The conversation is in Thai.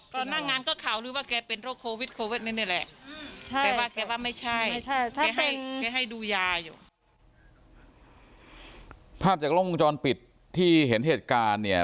ภาพจากโรคมุงจรปิดที่เห็นเหตุการณ์เนี่ย